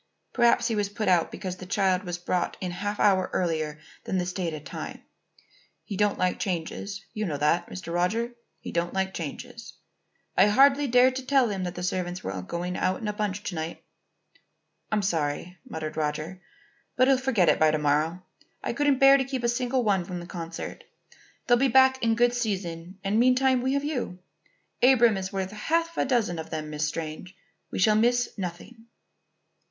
Perhaps he was put out because the child was brought in a half hour earlier than the stated time. He don't like changes; you know that, Mr. Roger; he don't like changes. I hardly dared to tell him that the servants were all going out in a bunch to night." "I'm sorry," muttered Roger. "But he'll forget it by to morrow. I couldn't bear to keep a single one from the concert. They'll be back in good season and meantime we have you. Abram is worth half a dozen of them, Miss Strange. We shall miss nothing."